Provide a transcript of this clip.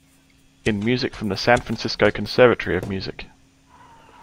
in music from the San Francisco Conservatory of Music.